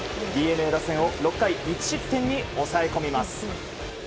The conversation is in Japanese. ＤｅＮＡ打線を６回１失点に抑え込みます。